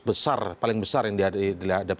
besar paling besar yang ada